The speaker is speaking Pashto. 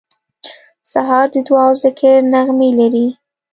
سهار د دعا او ذکر نغمې لري.